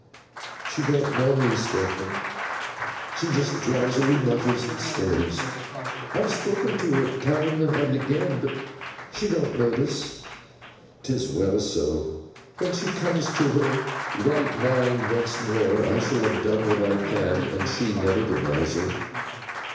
'She don't know me, Stephen; she just drowsily mutters and stares. I have spoken to her times and again, but she don't notice! 'Tis as well so. When she comes to her right mind once more, I shall have done what I can, and she never the wiser.